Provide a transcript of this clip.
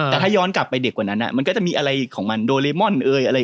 แต่ถ้าย้อนกลับไปเด็กกว่านั้นมันก็จะมีอะไรของมันโดเรมอนเอ่ยอะไร